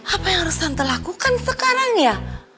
apa yang harus santa lakukan sekarang ya